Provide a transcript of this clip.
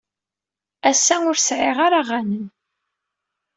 Ass-a, ur sɛiɣ ara aɣanen.